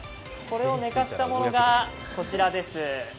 これを寝かせたものがこちらです。